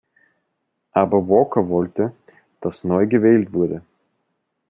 Aber Walker wollte, dass neu gewählt wurde.